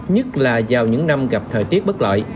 nhất là vào những năm gặp thời tiết bất lợi